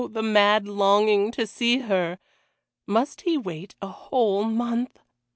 the mad longing to see her! Must he wait a whole month?